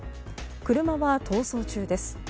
車は逃走中です。